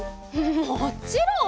もっちろん！